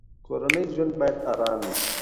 کورنی ژوند باید ارام وي.